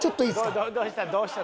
どうした？